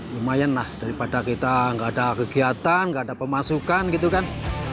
lumayan lah daripada kita nggak ada kegiatan nggak ada pemasukan gitu kan